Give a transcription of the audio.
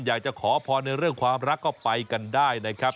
อยากจะขอพรในเรื่องความรักก็ไปกันได้นะครับ